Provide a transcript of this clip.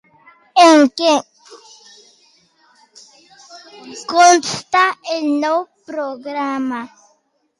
En què consta el nou programa?